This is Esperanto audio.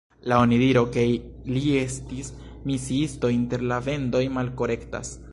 La onidiro ke li estis misiisto inter la Vendoj malkorektas.